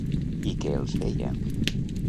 I què els feia?